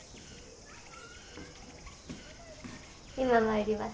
今参ります。